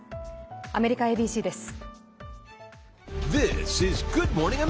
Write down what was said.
アメリカＡＢＣです。